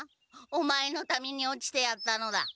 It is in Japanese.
オマエのために落ちてやったのだ。